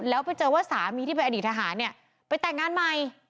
แล้วไปเจอว่าสามีที่เป็นอดีตทหารเนี่ยไปแต่งงานใหม่